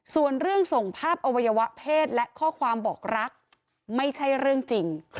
ส่วนเรื่องส่งภาพอวัยวะเพศและข้อความบอกรักไม่ใช่เรื่องจริง